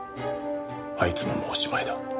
あいつももうおしまいだ。